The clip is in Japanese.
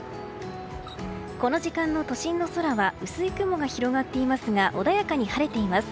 この時間の都心の空は薄い雲が広がっていますが穏やかに晴れています。